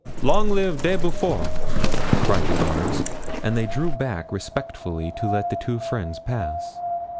"Long live De Beaufort!" cried the guards, and they drew back respectfully to let the two friends pass.